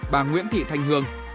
bà nguyễn thị thanh hương